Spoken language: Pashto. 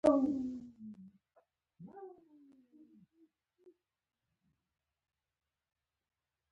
دوی د پنځه اویا زره ډالرو غوښتنه کوله.